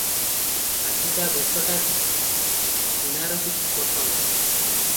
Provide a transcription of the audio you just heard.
ଆଜିକା ବେଶଟା କିଣାର କିଛି ସ୍ୱତନ୍ତ୍ର ।